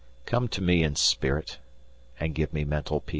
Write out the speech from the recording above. Come to me in spirit and give me mental peace.